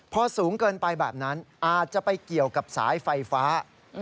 พอสูงเกินไปแบบนั้นอาจจะไปเกี่ยวกับสายไฟฟ้า